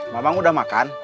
mamang udah makan